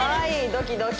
ドキドキ。